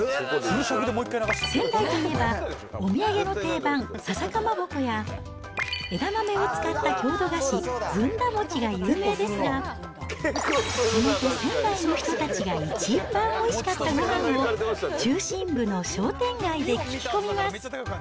仙台といえば、お土産の定番、笹かまぼこや、枝豆を使った郷土菓子、ずんだ餅が有名ですが、地元、仙台の人たちが一番おいしかったごはんを中心部の商店街で聞き込みます。